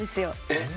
えっ？